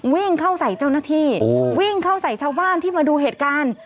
วิ่งเข้าใส่เจ้าหน้าที่วิ่งเข้าใส่ชาวบ้านที่มาดูเหตุการณ์